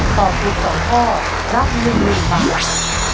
ตอบถูก๒ข้อรับ๑๐๐๐บาท